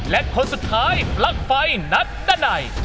และคนสุดท้ายปลั๊กไฟนัดดันัย